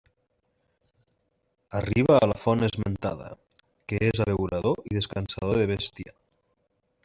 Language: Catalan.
Arriba a la font esmentada, que és abeurador i descansador de bestiar.